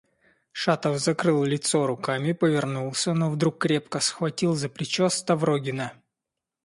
Шатов закрыл лицо руками, повернулся, но вдруг крепко схватил за плечо Ставрогина.